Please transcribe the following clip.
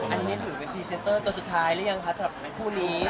อันนี้ถือเป็นพรีเซนเตอร์ตัวสุดท้ายหรือยังคะสำหรับคู่นี้